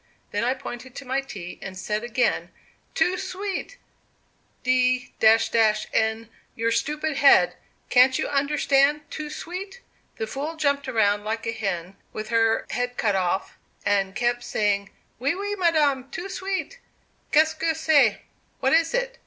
Then I pointed to my tea, and said again, 'Too sweet, d n your stupid head, can't you understand too sweet?' The fool jumped around like a hen with her head cut off, and kept saying, 'Oui, oui, madame, too sweet, qu'est ceque c'est? (What is it?)